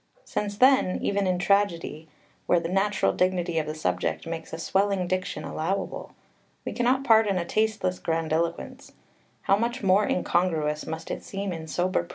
Since then, even in tragedy, where the natural dignity of the subject makes a swelling diction allowable, we cannot pardon a tasteless grandiloquence, how much more incongruous must it seem in sober prose!